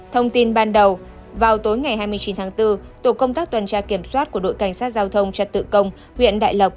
thông tin ban đầu vào tối ngày hai mươi chín tháng bốn tổ công tác tuần tra kiểm soát của đội cảnh sát giao thông trật tự công huyện đại lộc